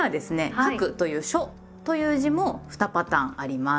「『書』く」という「書」という字も２パターンあります。